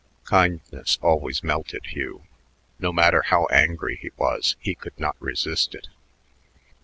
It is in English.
Kindness always melted Hugh; no matter how angry he was, he could not resist it.